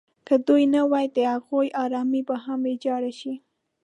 که دوی نه وي د هغوی ارامي به هم ویجاړه شي.